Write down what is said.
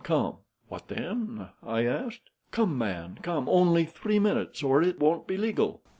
Come!' "'What then?' I asked. "'Come, man, come; only three minutes, or it won't be legal.'